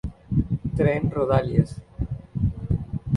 Tren Rodalies